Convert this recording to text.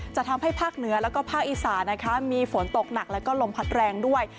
จะทำให้ภาคเหนือแล้วก็ภาคอีสานนะคะมีฝนตกหนักแล้วก็ลมพัดแรงด้วย